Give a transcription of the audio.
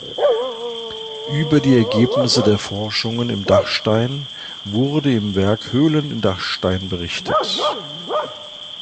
Über die Ergebnisse der Forschungen im Dachstein wurde im Werk „Höhlen im Dachstein“ berichtet.